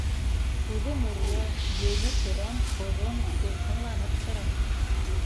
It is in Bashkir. Күҙе нурлы, йөнө көрән, оҙон, тулҡынланып тора!